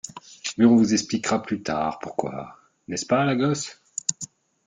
Mais on vous expliquera plus tard pourquoi ; n’est-ce pas, la gosse ?